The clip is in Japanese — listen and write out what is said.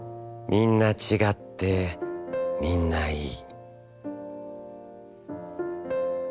みんなちがって、みんないい」。